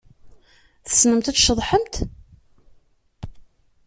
Tessnemt ad tceḍḥemt?